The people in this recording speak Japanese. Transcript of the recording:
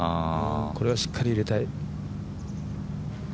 これはしっかり入れたい。